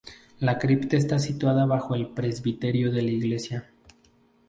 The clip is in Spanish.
La cripta está situada bajo el presbiterio de la iglesia.